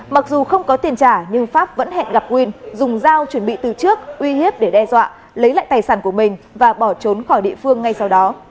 mặc dù không có tiền trả nhưng pháp vẫn hẹn gặp nguyên dùng dao chuẩn bị từ trước uy hiếp để đe dọa lấy lại tài sản của mình và bỏ trốn khỏi địa phương ngay sau đó